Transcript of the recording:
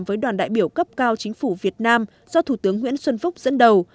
với đoàn đại biểu cấp cao chính phủ việt nam do thủ tướng nguyễn xuân phúc dẫn đầu